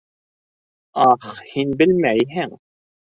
Ах, һин белмәйһең!